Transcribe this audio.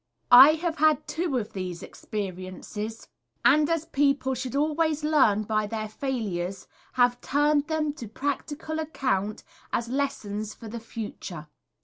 I have had two of these experiences, and as people should always learn by their failures, have turned them to practical account as lessons for the future.